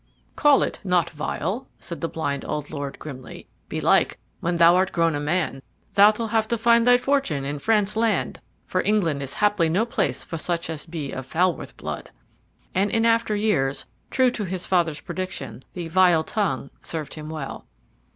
"Call it not vile," said the blind old Lord, grimly; "belike, when thou art grown a man, thou'lt have to seek thy fortune in France land, for England is haply no place for such as be of Falworth blood." And in after years, true to his father's prediction, the "vile tongue" served him well.